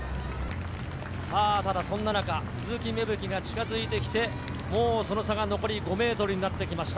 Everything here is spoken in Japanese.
さぁ、ただそんな中、鈴木芽吹が近づいてきて、もうその差が残り５ｍになってきました。